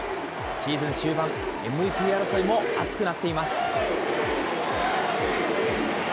シーズン終盤、ＭＶＰ争いも熱くなっています。